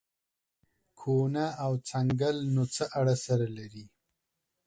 کونه او څنگل نو څه اړه سره لري.